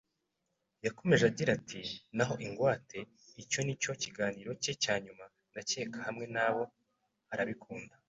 Yakomeje agira ati: "Naho ingwate, icyo ni cyo kiganiro cye cya nyuma, ndakeka, hamwe nabo arabikunda